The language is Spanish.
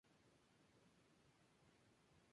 George en las elecciones.